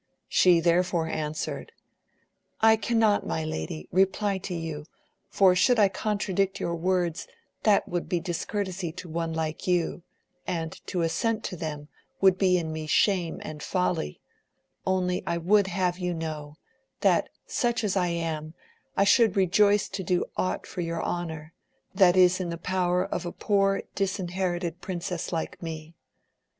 She therefore answered, I cannot my lady, reply to you, for should I contradict your words that would be discourtesy to one like you, and to assent to them would in me be shame and folly, only I would have you know, that such as I am, I should rejoice to do aught for your honour, that is in the power of a poor disherited princess like me.